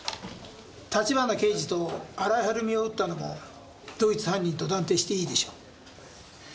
立花刑事と新井はるみを撃ったのも同一犯人と断定していいでしょう。